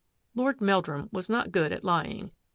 Lord Meldrum was not good at lying.